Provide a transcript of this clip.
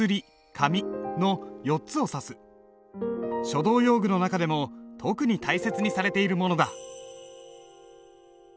書道用具の中でも特に大切にされているものだ。